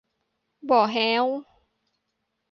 บ่อแฮ้ว